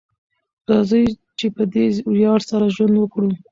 راځئ چې په دې ویاړ سره ژوند وکړو.